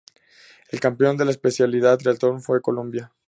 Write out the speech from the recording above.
El campeón de la especialidad Triatlón fue Colombia.